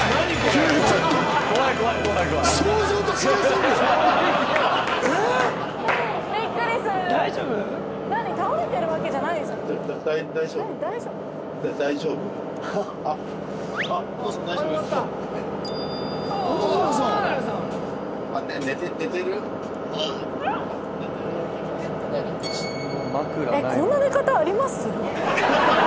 こんな寝方あります？